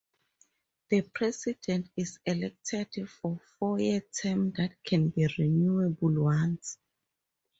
The President is elected for four-year term that can be renewable once.